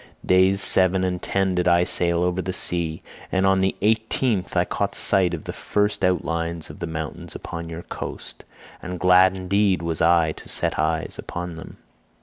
Days seven and ten did I sail over the sea, and on the eighteenth I caught sight of the first outlines of the mountains upon your coast—and glad indeed was I to set eyes upon them.